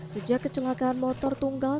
sejak kecelakaan motor tunggal